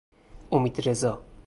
امیدرضا